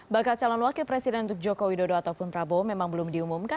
bakal calon wakil presiden untuk joko widodo ataupun prabowo memang belum diumumkan